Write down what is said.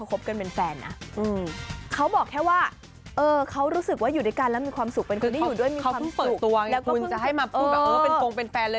คุณจะให้มาพูดแบบเออเป็นคงเป็นแฟนเลย